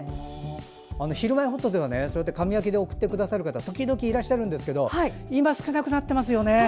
「ひるまえほっと」では紙焼きで送ってくださる方時々いらっしゃるんですが今は少なくなっていますよね。